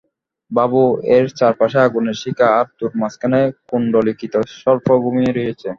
ভাবো, এর চারপাশে আগুনের শিখা, আর তার মাঝখানে কুণ্ডলীকৃত সর্প ঘুমিয়ে রয়েছে।